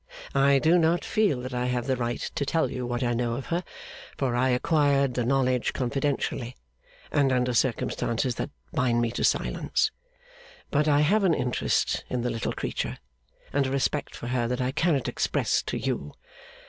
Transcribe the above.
I do not feel that I have the right to tell you what I know of her, for I acquired the knowledge confidentially, and under circumstances that bind me to silence. But I have an interest in the little creature, and a respect for her that I cannot express to you.